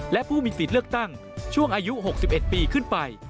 และผู้มีสิทธิ์เลือกตั้งช่วงอายุ๖๑ปีขึ้นไป